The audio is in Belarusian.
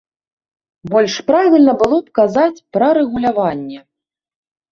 Больш правільна было б казаць пра рэгуляванне.